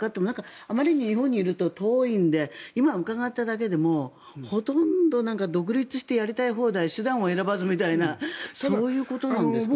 あまりに日本にいると遠いので今伺っただけでもほとんど、独立してやりたい放題手段を選ばずみたいなそういうことなんですかね。